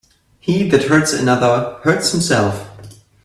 He that hurts another, hurts himself.